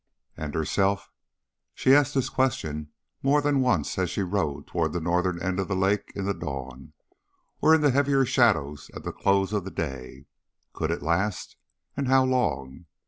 And herself? She asked this question more than once as she rowed toward the northern end of the lake in the dawn, or in the heavier shadows at the close of the day. Could it last? And how long?